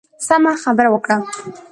سمه خبره وکړه.